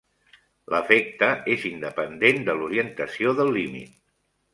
L'efecte és independent de l'orientació del límit.